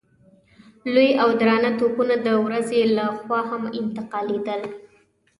لوی او درانه توپونه د ورځې له خوا هم انتقالېدل.